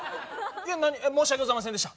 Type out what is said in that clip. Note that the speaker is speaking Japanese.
いえ申し訳ございませんでした。